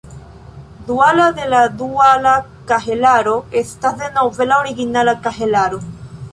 Duala de la duala kahelaro estas denove la originala kahelaro.